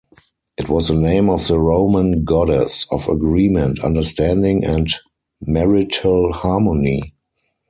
It was the name of the Roman goddess of agreement, understanding, and marital harmony.